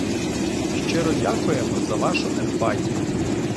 Щиро дякуємо за вашу емпатію.